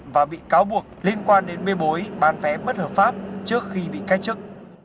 và bị cáo buộc liên quan đến mê bối ban vé bất hợp pháp trước khi bị cách chức